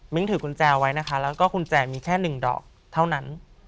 มิ้งถือกุญแจเอาไว้นะคะแล้วก็คุณแจมีแค่หนึ่งดอกเท่านั้น